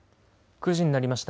９時になりました。